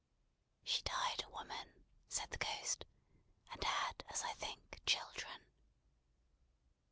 "She died a woman," said the Ghost, "and had, as I think, children."